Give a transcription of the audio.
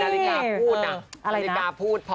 นาฬิกาพูดพร้อม